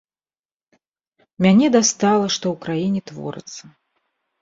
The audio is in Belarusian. Мяне дастала, што ў краіне творыцца.